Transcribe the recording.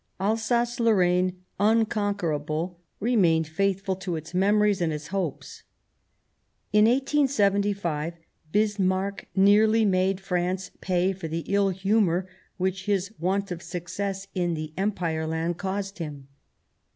Alsace Lorraine, unconquerable, re mained faithful to its memories and its hopes. In 1875 Bismarck nearly made France pay for the ill humour which his want of success in the " Empire land " caused him.